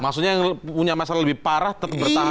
maksudnya yang punya masalah lebih parah tetap bertahan